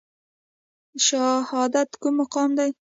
شهادت کوم مقام دی؟